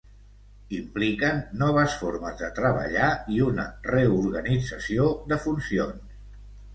"Impliquen noves formes de treballar i una reorganització de funcions".